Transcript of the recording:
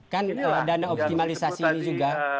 kan dana optimalisasi ini juga